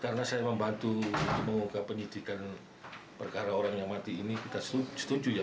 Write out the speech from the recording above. karena saya membantu mengunggah penyidikan perkara orang yang mati ini kita setuju ya